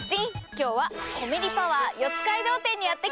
今日はコメリパワー四街道店にやって来たの。